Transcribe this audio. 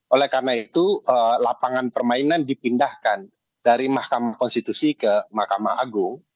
oleh karena itu lapangan permainan dipindahkan dari mahkamah konstitusi ke mahkamah agung